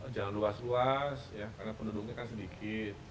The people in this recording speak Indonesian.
jangan luas luas karena penduduknya kan sedikit